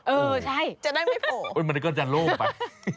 เออใช่จะได้ไม่โผล่มันก็จะโล่งไป